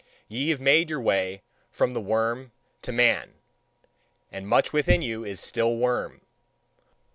Ye have made your way from the worm to man, and much within you is still worm.